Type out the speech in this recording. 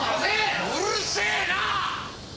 うるせえな！